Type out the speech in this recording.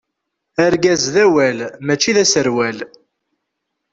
Argaz d awal, mačči d aserwal.